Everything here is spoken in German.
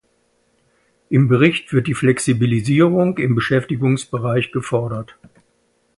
Im Bericht wird die Flexibilisierung im Beschäftigungsbereich gefordert.